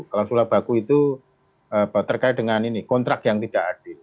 klausula bagu itu terkait dengan kontrak yang tidak adil